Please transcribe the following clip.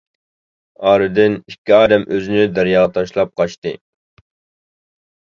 ئارىدىن ئىككى ئادەم ئۆزىنى دەرياغا تاشلاپ قاچتى.